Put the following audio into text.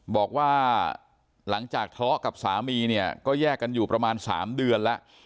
บอกว่าหลังจากทะเลาะกับสามีเนี่ยก็แยกกันอยู่ประมาณ๓เดือนแล้ว